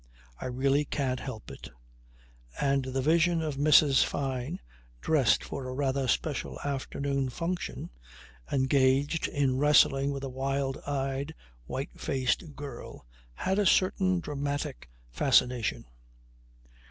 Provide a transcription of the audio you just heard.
I really can't help it. And the vision of Mrs. Fyne dressed for a rather special afternoon function, engaged in wrestling with a wild eyed, white faced girl had a certain dramatic fascination.